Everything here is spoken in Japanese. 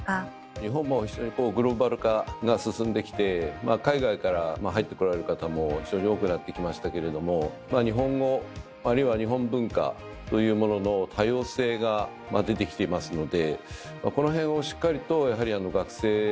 日本も非常にグローバル化が進んできて海外から入ってこられる方も非常に多くなってきましたけれども日本語あるいは日本文化というものの多様性が出てきていますのでこの辺をしっかりとやはり学生さんには理解をしてもらう。